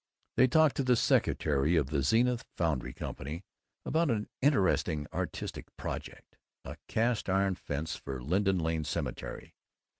They talked to the secretary of the Zenith Foundry Company about an interesting artistic project a cast iron fence for Linden Lane Cemetery.